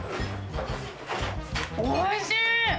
おいしい！